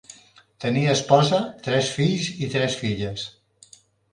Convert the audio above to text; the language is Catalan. Tenia esposa, tres fills i tres filles.